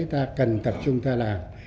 ta cần tập trung ta làm